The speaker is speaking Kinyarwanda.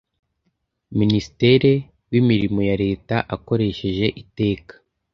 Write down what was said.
niministre w’imirimo ya leta akoresheje iteka